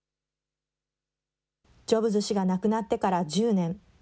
ジョブズ氏が亡くなってから１０年。